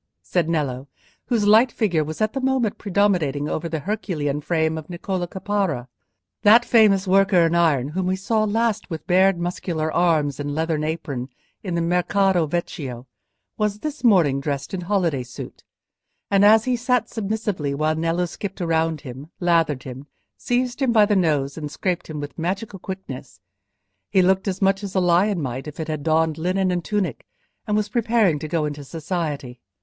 said Nello, whose light figure was at that moment predominating over the Herculean frame of Niccolò Caparra. That famous worker in iron, whom we saw last with bared muscular arms and leathern apron in the Mercato Vecchio, was this morning dressed in holiday suit, and as he sat submissively while Nello skipped round him, lathered him, seized him by the nose, and scraped him with magical quickness, he looked much as a lion might if it had donned linen and tunic and was preparing to go into society.